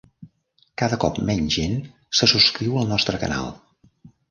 Cada cop menys gent se subscriu al nostre canal.